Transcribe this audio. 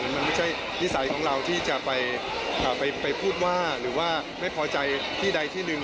มันไม่ใช่นิสัยของเราที่จะไปพูดว่าหรือว่าไม่พอใจที่ใดที่หนึ่ง